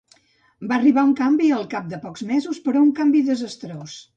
Va arribar un canvi al cap de pocs mesos, però un canvi desastrós.